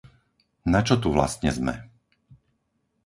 Na čo tu vlastne sme?